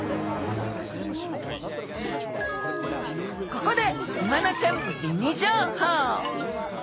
ここでイワナちゃんミニ情報！